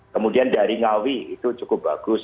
kemudian dari ngawi itu cukup bagus